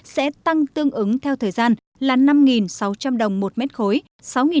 sẽ tăng tương ứng theo thời gian là năm sáu trăm linh đồng một mét khối